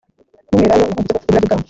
nk’umwelayo wahungutseho uburabyo bwawo